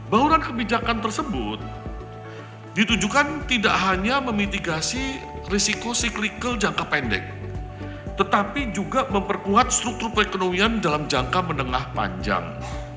bauran kebijakan tersebut ditujukan tidak hanya memitigasi risiko cyclical jangka pendek tetapi juga memperkuat struktur perekonomian dalam jangka menengah panjang